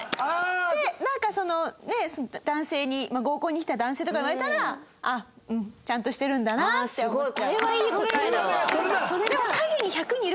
でなんか男性に合コンに来た男性とかに言われたら「あっうん」ちゃんとしてるんだなって思っちゃう。